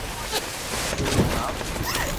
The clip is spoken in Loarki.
توھي ھڻاو